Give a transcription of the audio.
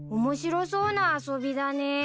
面白そうな遊びだね。